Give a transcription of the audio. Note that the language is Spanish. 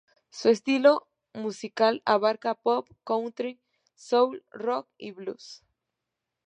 Su estilo musical abarca pop, country, soul, rock y blues.